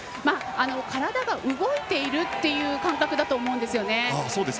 体が動いているという感覚だと思うんですよね。